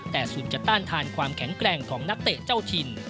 แต่สุดจะต้านทานความแข็งแกร่งของนักเตะเจ้าถิ่น